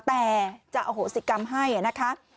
แต่จะอโหสิกรรมให้นะคะ